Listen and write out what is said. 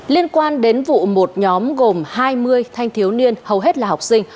liên quan đến vụ một nhóm gồm hai mươi thanh thiếu niên hầu hết là học sinh